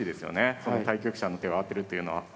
その対局者の手を当てるっていうのは。